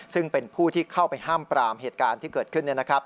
ซึ่งเป็นผู้ที่เข้าไปห้ามปรามเหตุการณ์ที่เกิดขึ้น